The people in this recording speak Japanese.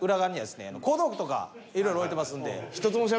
いろいろ置いてますんで。